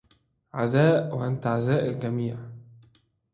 عزاء وأنت عزاء الجميع